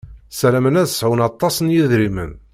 Saramen ad sɛun aṭas n yedrimen.